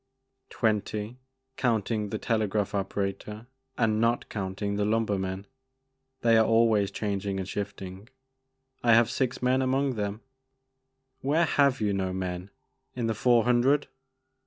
" Twenty counting the telegraph operator and not counting the lumbermen ; they are always changing and shifting. I have six men among them." "Where have you no men? In the Four Hundred?"